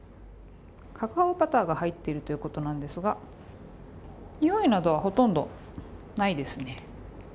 カカオバターが入っているということなんですが匂いなどはほとんどないですね。